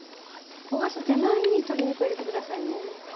焦がす手前に鶏肉を入れて下さいね。